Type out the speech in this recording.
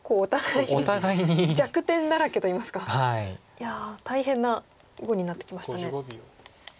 いや大変な碁になってきましたね。